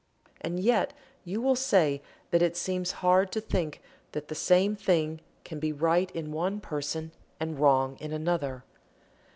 And yet you will say that it seems hard to think that the same thing can be Right in one person and Wrong in another.